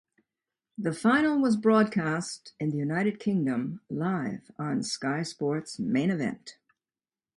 The final was broadcast in the United Kingdom live on Sky Sports Main Event.